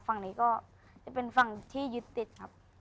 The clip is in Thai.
ฝั่งนี้ก็จะเป็นฝั่งที่ยึดติดครับ